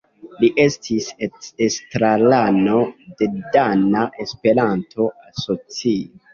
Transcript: Li estis estrarano de Dana Esperanto Asocio.